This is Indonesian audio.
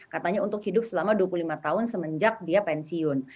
katanya untuk hidup selama dua puluh lima tahun semenjak dia pensiun